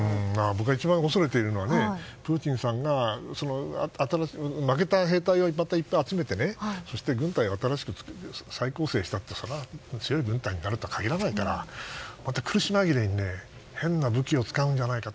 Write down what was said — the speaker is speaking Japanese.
僕が一番恐れているのはプーチンさんが負けた兵隊をまたいっぱい集めて軍隊を再構成したって強い軍隊になるとは限らないからまた、苦し紛れに変な武器を使うんじゃないか。